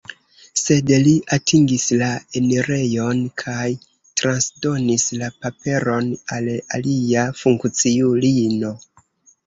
Sed li atingis la enirejon kaj transdonis la paperon al alia funkciulino.